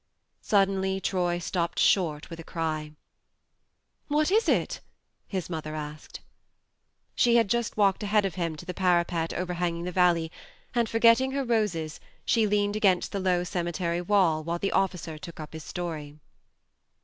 Suddenly Troy stopped short with a cry. " What is it ?" his mother asked. She had walked ahead of him to the parapet overhanging the valley, and forgetting her roses she leaned against the low cemetery wall while the officer took up his story.